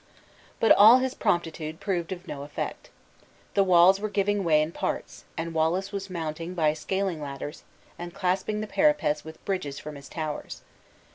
But all his promptitude proved of no effect. The walls were giving way in parts, and Wallace was mounting by scaling ladders, and clasping the parapets with bridges from his towers.